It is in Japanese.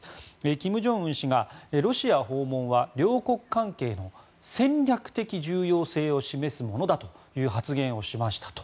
金正恩氏がロシア訪問は両国関係の戦略的重要性を示すものだという発言をしましたと。